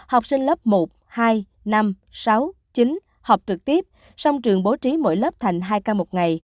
học sinh lớp một hai năm sáu chín học trực tiếp song trường bố trí mỗi lớp thành hai ca một ngày